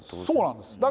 そうなんです。